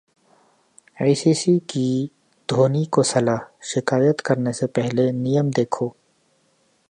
ICC की धोनी को सलाह, शिकायत करने से पहले नियम देखो